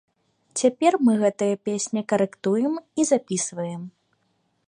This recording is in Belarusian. Цяпер мы гэтыя песні карэктуем і запісваем.